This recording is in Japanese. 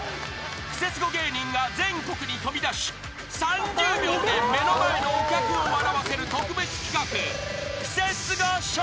［クセスゴ芸人が全国に飛び出し３０秒で目の前のお客を笑わせる特別企画クセスゴ笑